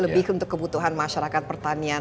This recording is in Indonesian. lebih untuk kebutuhan masyarakat pertanian